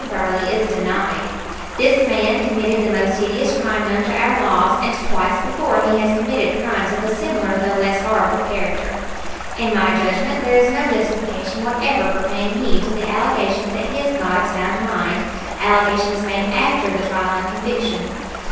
Burley is denied. This man committed the most hideous crime known to our laws, and twice before he has committed crimes of a similar, though less horrible, character. In my judgment there is no justification whatever for paying heed to the allegations that he is not of sound mind, allegations made after the trial and conviction.